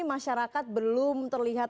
masyarakat belum terlihat